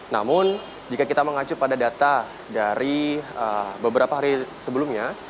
namun jika kita mengacu pada data dari beberapa hari sebelumnya